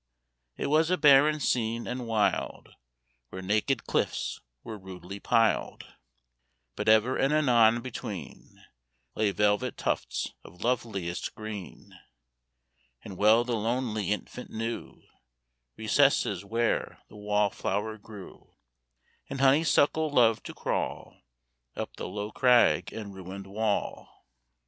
It was a barren scene, and wild, Where naked cliffs were rudely piled; But ever and anon between Lay velvet tufts of loveliest green; And well the lonely infant knew Recesses where the wall flower grew, And honey suckle loved to crawl Up the low crag and ruined wall.